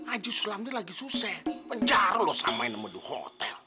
aju sulam dia lagi susah penjara lo samain sama duho hotel